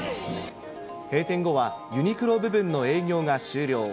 閉店後はユニクロ部分の営業が終了。